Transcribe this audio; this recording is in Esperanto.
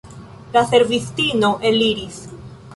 La servistino eliris.